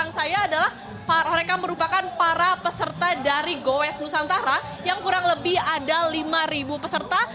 di belakang saya adalah mereka merupakan para peserta dari goes nusantara yang kurang lebih ada lima peserta